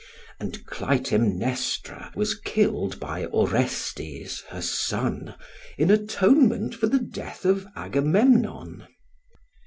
And Clytemnestra was killed by Orestes, her son, in atonement for the death of Agamemnon.